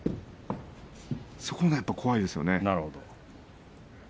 そこが怖いですよね。